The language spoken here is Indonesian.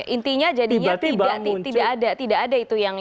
intinya jadinya tidak ada itu yang